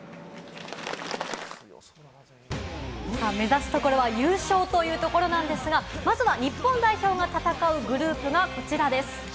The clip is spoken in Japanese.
目指すところは優勝というところなんですが、まずは日本代表が戦うグループがこちらです。